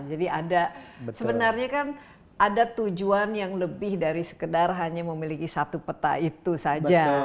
jadi ada sebenarnya kan ada tujuan yang lebih dari sekedar hanya memiliki satu peta itu saja